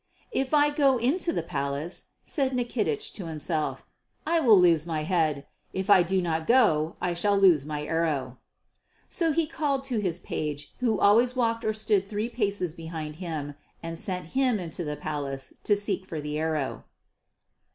"If I go into the palace," said Nikitich to himself, "I shall lose my head. If I do not go, I shall lose my arrow." So he called to his page, who always walked or stood three paces behind him, and sent him into the palace to seek for the arrow.